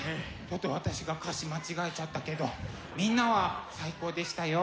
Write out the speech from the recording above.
ちょっと私が歌詞間違えちゃったけどみんなは最高でしたよ。